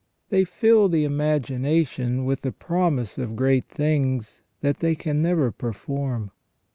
They fill the imagination with the promise of great things that they can never perform.